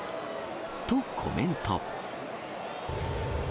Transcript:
とコメント。